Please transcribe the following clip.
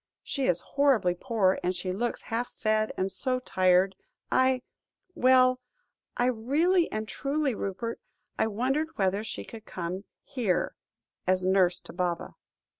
She is horribly poor, and she looks half fed, and so tired. I well I really and truly, Rupert, I wondered whether she could come here as nurse to Baba."